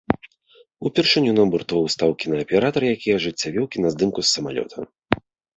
Упершыню на борт устаў кінааператар, які ажыццявіў кіназдымку з самалёта.